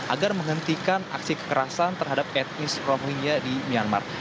agar menghentikan aksi kekerasan terhadap etnis rohingya di myanmar